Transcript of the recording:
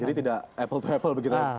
jadi tidak apple to apple begitu ya